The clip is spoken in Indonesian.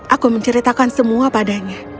aku menceritakan semua padanya